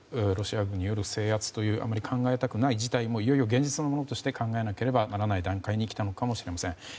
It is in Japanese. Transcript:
ロシア軍の制圧というあまり考えたくない事態もいよいよ現実のものとして考えなければならない段階に来たのかもしれません。